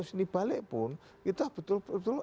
seni balik pun kita betul betul